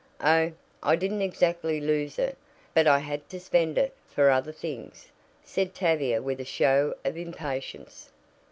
"Oh, I didn't exactly lose it, but I had to spend it for other things," said Tavia with a show of impatience.